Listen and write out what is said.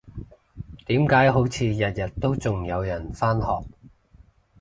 點解好似日日都仲有人返學？